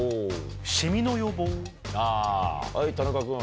はい田中君。